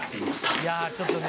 いやちょっとね